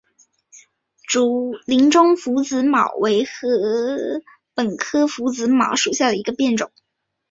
林中拂子茅为禾本科拂子茅属下的一个变种。